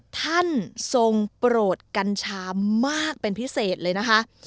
ท่านทรงโปรดกัญชามากเป็นพิเศษเลยนะคะ